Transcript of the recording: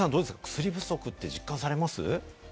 薬不足って実感されます？